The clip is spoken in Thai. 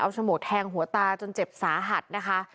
โฉมวกแทงหัวตาจนเจ็บสาหัสนะคะ